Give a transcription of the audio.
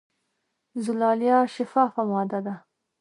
زلالیه شفافه ماده ده.